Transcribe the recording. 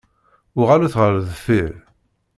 Uɣalet ɣer deffir!